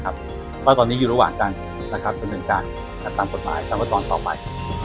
เพราะตอนนี้อยู่ระหว่างการจึงสนุนการตามผลไม้และตอนต่อไป